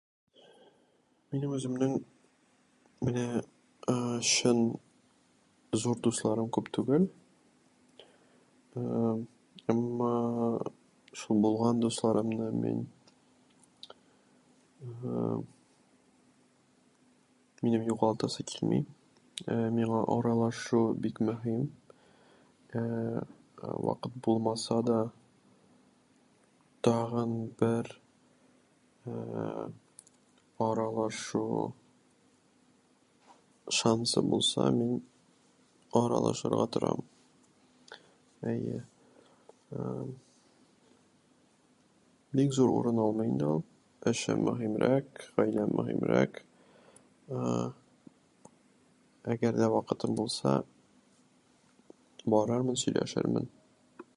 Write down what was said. Минем үземнең менә ә-ә чын дусларым күп түгел. Ә-әм әммә шул булган дусларымны мин ә-әм минем югалтасым килми. Ә-ә миңа аралашу бик мөһим. Ә-ә вакыт булмаса да, тагын бер ә-ә-ә аралашу шансы булса, мин аралашырга тырам. Әйе. Ә-әм. Бик зур урынны алмый инде ул. Эшең мөһимрәк, гаилә меһимрәк. Ә-ә әгер дә вакытым булса, барырмын, сөйләшермен.